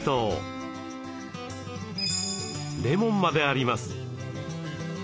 レモンまであります。